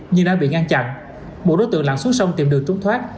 nhưng đã bị ngăn chặn bộ đối tượng lặn xuống sông tìm đường trúng thoát